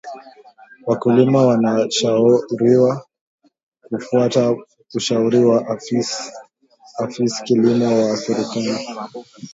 wakulima wanashauriwa kufata ushauri wa afis kilimo wa serekali